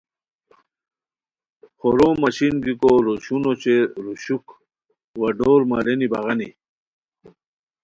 خورو مشین گیکو روشون اوچے روشوک وا ڈور مالینی بغانی